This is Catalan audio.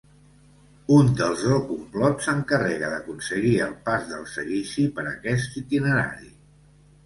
Un dels del complot s'encarrega d'aconseguir el pas del seguici per aquest itinerari.